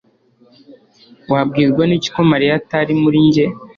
Wabwirwa niki ko Mariya atari muri njye